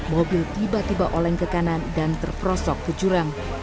mobil tiba tiba oleng ke kanan dan terperosok ke jurang